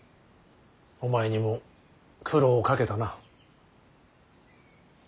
お前にも苦労をかけたな。